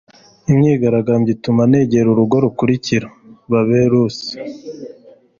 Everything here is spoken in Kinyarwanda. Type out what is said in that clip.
Imyigaragambyo yose ituma negera urugo rukurikira.” - Babe Rusi